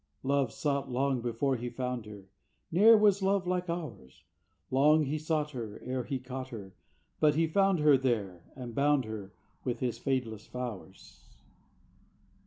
"Love sought long before he found her, Ne'er was love like ours! Long he sought her, E'er he caught her. But he found her There, and bound her With his fadeless flowers."